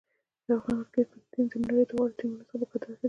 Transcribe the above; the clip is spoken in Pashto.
د افغان کرکټ ټیم د نړۍ د غوره ټیمونو په کتار کې دی.